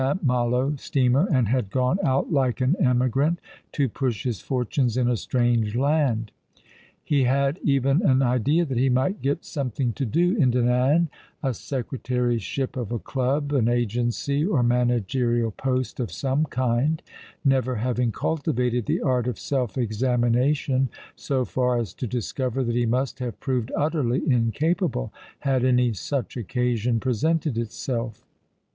Malo steamer and had gone out like an emigrant to push his fortunes in a strange land. He had even an idea that he might get " something to do " in Dinan ■— a secretaryship of a club, an agency, or managerial post of some kind, never having cultivated the art of self examina tion so far as to discover that he must have proved utterly incapable, had any such occasion presented itself.